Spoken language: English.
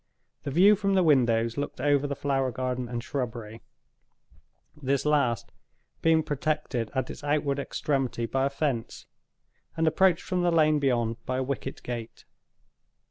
The view from the windows looked over the flower garden and shrubbery; this last being protected at its outward extremity by a fence, and approached from the lane beyond by a wicket gate.